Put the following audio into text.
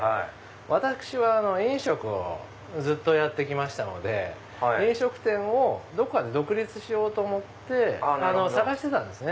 私は飲食をずっとやって来ましたので飲食店をどっかで独立しようと思って探してた。